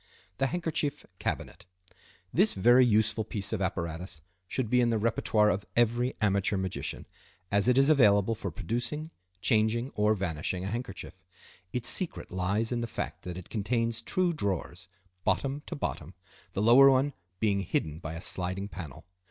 The Handkerchief Cabinet.—This very useful piece of apparatus should be in the repertoire of every amateur magician, as it is available for producing, changing, or vanishing a handkerchief. Its secret lies in the fact that it contains two drawers, bottom to bottom, the lower one being hidden by a sliding panel.